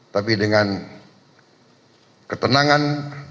tapi dengan ketenangan